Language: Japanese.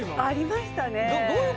ありましたね。